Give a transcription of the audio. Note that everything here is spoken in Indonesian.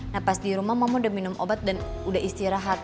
nah pas di rumah mama udah minum obat dan udah istirahat